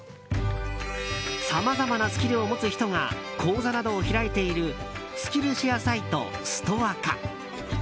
さまざまなスキルを持つ人が講座などを開いているスキルシェアサイト、ストアカ。